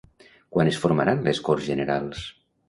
Quan es formaran les Corts Generals?